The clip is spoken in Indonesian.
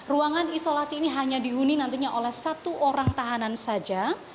ruangan isolasi ini hanya dihuni nantinya oleh satu orang tahanan saja